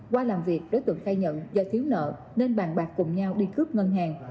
qua làm việc đối tượng khai nhận do thiếu nợ nên bàn bạc cùng nhau đi cướp ngân hàng